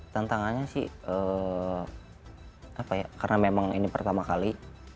tantangannya sih karena memang ini pertama kali